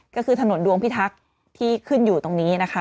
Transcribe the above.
ก็คือถนนดวงพิทักษ์ที่ขึ้นอยู่ตรงนี้นะคะ